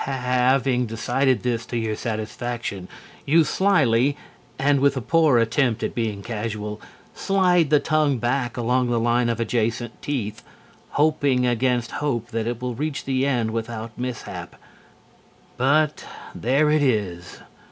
Having decided this to your satisfaction, you slyly, and with a poor attempt at being casual, slide the tongue back along the line of adjacent teeth, hoping against hope that it will reach the end without mishap. But there it is!